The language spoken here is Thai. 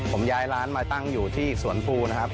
ผมย้ายร้านมาตั้งอยู่ที่สวนภูนะครับ